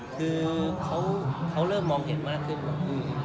คือเขาเริ่มมองเห็นมากขึ้นว่าพี่